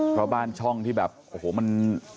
เพราะบ้านช่องที่แบบโอ้โหมัน